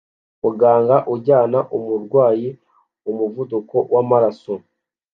Muganga ujyana umurwayi umuvuduko wamaraso